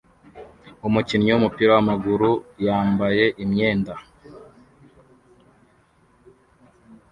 Umukinnyi wumupira wamaguru yambaye imyenda